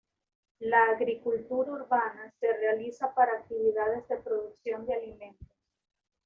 La agricultura urbana se realiza para actividades de producción de alimentos.